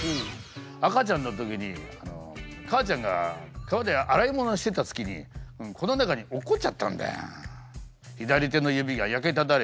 赤ちゃんの時に母ちゃんが川で洗い物してた隙にこの中に落っこっちゃったんだよ。